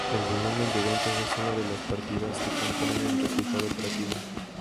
El volumen de ventas es una de las partidas que componen el resultado operativo.